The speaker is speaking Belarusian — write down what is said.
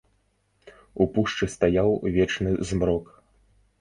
У пушчы стаяў вечны змрок.